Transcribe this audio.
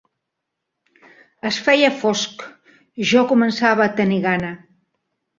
Es feia fosc; jo començava a tenir gana